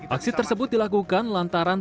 aksi tersebut dilakukan lantaran